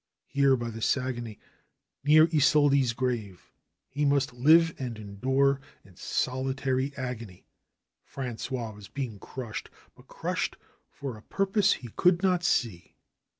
Here by the Saguenay, near Isolde's grave, he must live and endure in solitary agony. Frangois was being crushed, but crushed for a purpose he could not see.